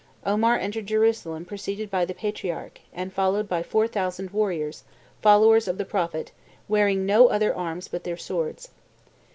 Omar entered Jerusalem preceded by the patriarch, and followed by four thousand warriors, followers of the Prophet, wearing no other arms but their swords.